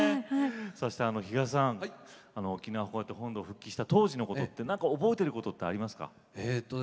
そして、比嘉さん沖縄本土復帰した当時のことってなんか覚えてることってありますか。